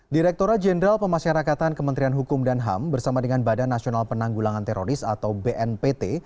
direkturat jenderal pemasyarakatan kementerian hukum dan ham bersama dengan badan nasional penanggulangan teroris atau bnpt